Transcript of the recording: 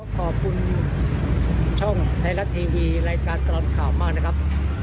ขอบคุณช่องไทยรัฐทีวีรายการตลอดข่าวมากนะครับ